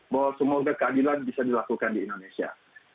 bahwa semoga keadilan bisa dilakukan di indonesia